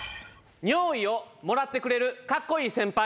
尿意をもらってくれるカッコイイ先輩。